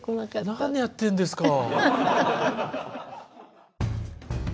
なにやってんですか。